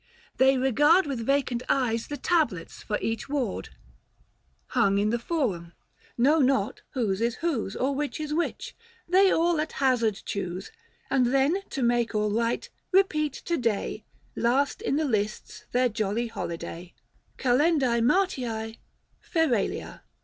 They regard 560 With vacant eyes the tablets for each ward" Hung in the Forum, know not whose is whose, Or which is which ; they all at hazard choose, And then, to make all right, repeat to day Last in the lists, their jolly holiday. 5$?> XII. KAL. MART. FERALIA.